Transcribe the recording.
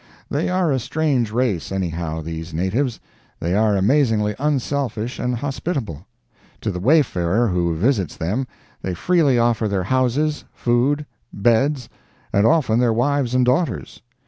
They are a strange race, anyhow, these natives. They are amazingly unselfish and hospitable. To the wayfarer who visits them they freely offer their houses, food, beds, and often their wives and daughters.